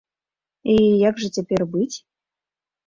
І як жа цяпер быць?